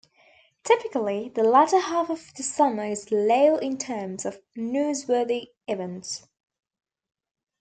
Typically, the latter half of the summer is slow in terms of newsworthy events.